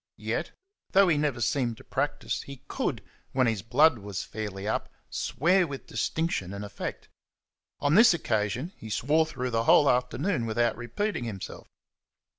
Yet, though he never seemed to practise, he could, when his blood was fairly up, swear with distinction and effect. On this occasion he swore through the whole afternoon without repeating himself.